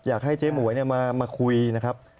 อยากให้เจ๊หมวยมาคุยนะครับ